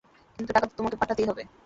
কিন্তু টাকা তো তোমাকে পাঠাতেই হবে।